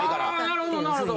なるほどなるほど。